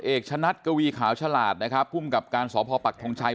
ให้ชนะกวีคาวชาหลาดนะครับคลุมกับการสอบพปัททงชัย